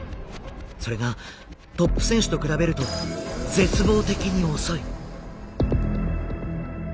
それがトップ選手と比べると絶望的に遅い。